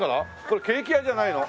これケーキ屋じゃないの？